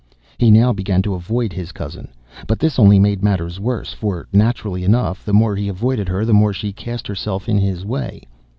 He now began to avoid, his cousin. But this only made matters worse, for, naturally enough, the more he avoided her, the more she cast herself in his way.